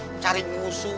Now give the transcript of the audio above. hai cari musuh